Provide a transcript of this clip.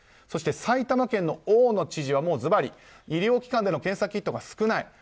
そして、埼玉県の大野知事はずばり医療機関での検査キットが少ない。